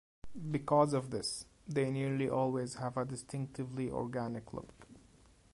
Because of this, they nearly always have a distinctively organic look.